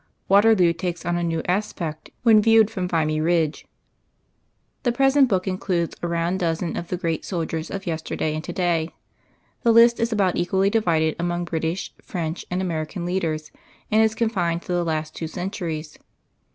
Waterloo takes on a new aspect when viewed from Vimy Ridge. The present book includes a round dozen of the great soldiers of yesterday and today. The list is about equally divided among British, French, and American leaders, and is confined to the last two centuries.